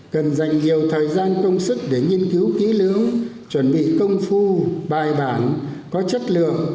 cần dành nhiều thời gian công sức để nghiên cứu kỹ lưỡng chuẩn bị công phu bài bản có chất lượng